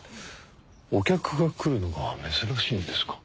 お客が来るのが珍しいんですか？